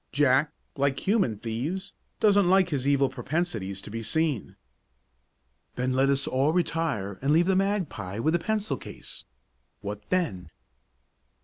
Jack, like human thieves, doesn't like his evil propensities to be seen." "Then let us all three retire and leave the magpie with the pencil case. What then?"